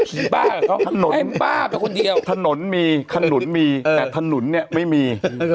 คือคือคือคือคือคือคือคือ